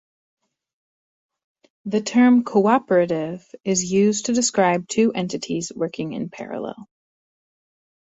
The term "cooperative" is used to describe two entities working in parallel.